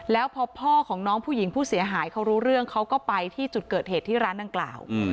แล้วพอพ่อของน้องผู้หญิงผู้เสียหายเขารู้เรื่องเขาก็ไปที่จุดเกิดเหตุที่ร้านดังกล่าว